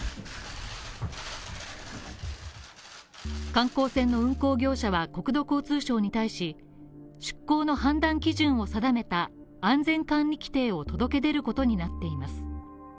観光船の運航業者は国土交通省に対し出航の判断基準を定めた安全管理規程を届け出ることになっています。